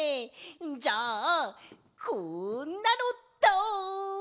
じゃあこんなのどう！？